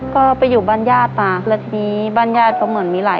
ก็ไปอยู่บ้านญาติมา